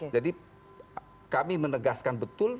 jadi kami menegaskan betul